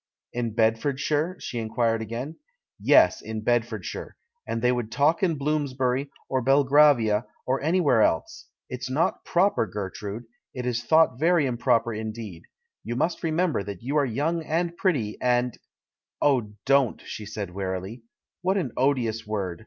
"In Bedfordshire?" she inquired again. "Yes, in Bedfordshire — and they would talk in Bloomsbury, or Belgravia, or anywhere else. It's not proper, Gertrude, it is thought very im THE CHILD IN THE GARDEN 165 proper indeed. You must remember that you are young and pretty, and " "Oh, don't!" she said wearily. "What an odious word!